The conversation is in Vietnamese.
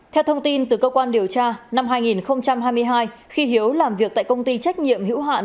theo thông tin từ cơ quan điều tra năm hai nghìn hai mươi hai khi hiếu làm việc tại công ty trách nhiệm hữu hạn